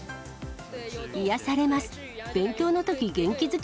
癒やされます。